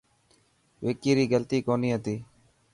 وڪي ري غلطي ڪوني هتي.